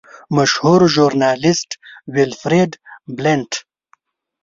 مشهور ژورنالیسټ ویلفریډ بلنټ.